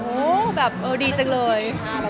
แล้วก็แบบโยแบบดีจังเลย